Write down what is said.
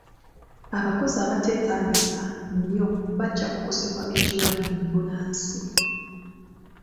Abakozi abateetaagisa nnyo bajja kukosebwa ekirwadde bbunansi.